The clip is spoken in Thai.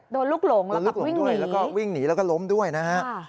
โดนลุกหลงแล้วก็วิ่งหนีแล้วก็ล้มด้วยนะฮะ